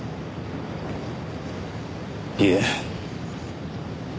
いえ。